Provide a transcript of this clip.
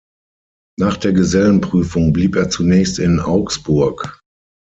Nach der Gesellenprüfung blieb er zunächst in Augsburg.